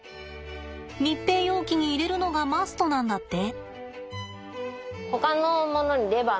密閉容器に入れるのがマストなんだって。